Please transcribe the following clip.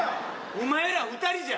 お前ら二人じゃ。